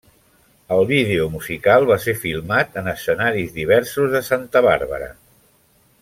El vídeo musical va ser filmat en escenaris diversos de Santa Bàrbara.